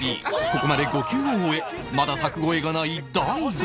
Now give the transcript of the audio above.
ここまで５球を終えまだ柵越えがない大悟